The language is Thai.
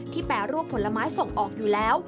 แปรรูปผลไม้ส่งออกอยู่แล้ว